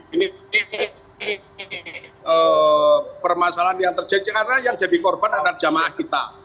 ini permasalahan yang terjadi karena yang jadi korban adalah jamaah kita